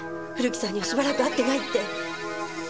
古木さんにはしばらく会ってないって。